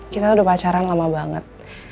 kita udah pacaran lama banget